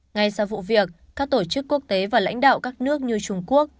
ngay sau vụ việc các tổ chức quốc tế và lãnh đạo các nước như trung quốc